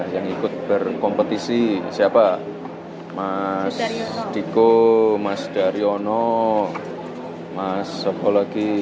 yang ikut berkompetisi siapa mas diko mas daryono mas sobologi